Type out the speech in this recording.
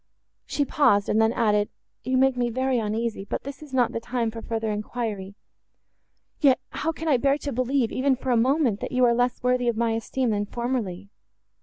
She paused, and then added, "You make me very uneasy; but this is not the time for further enquiry;—yet, how can I bear to believe, even for a moment, that you are less worthy of my esteem than formerly?